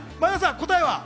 答えは？